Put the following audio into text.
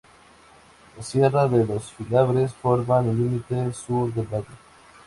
La Sierra de Los Filabres forma el límite sur del Valle.